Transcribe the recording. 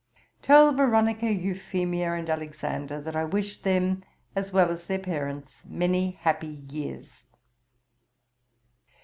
'Tell Veronica, Euphemia, and Alexander, that I wish them, as well as their parents, many happy years.